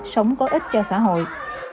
sống có ích cho xã hội